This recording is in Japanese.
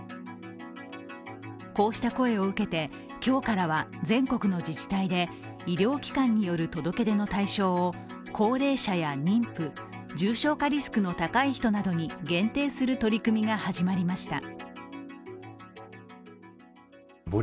こうした声を受けて、今日からは全国の自治体で医療機関による届け出の対象を高齢者や妊婦重症化リスクの高い人などに限定する取り組みが始まりました。